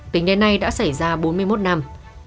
tính đến nay đã xảy ra bốn mươi một năm